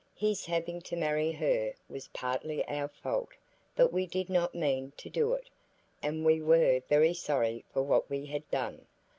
His having to marry her was partly our fault, but we did not mean to do it, and we were very sorry for what we had done.